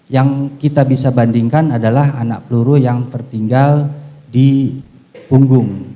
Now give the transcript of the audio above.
yang kita bisa bandingkan adalah anak peluru yang tertinggal di punggung